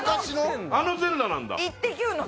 あの全裸なんだ。